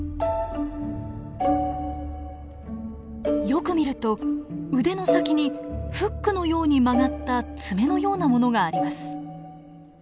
よく見ると腕の先にフックのように曲がった爪のようなものがあります。